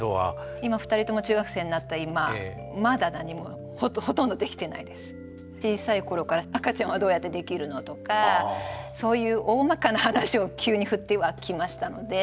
今２人とも中学生になった今小さい頃から赤ちゃんはどうやってできるのとかそういうおおまかな話を急に振ってはきましたので。